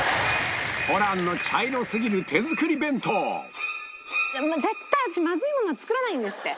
ホランの絶対私まずいものは作らないんですって。